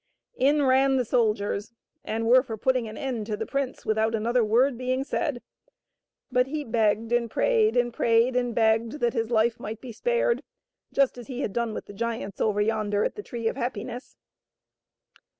In ran the soldiers, and were for putting an end to the prince without another word being said, but he begged and prayed and prayed and begged that his life might be spared, just as he had done with the giants over yon der at the Tree of Happiness.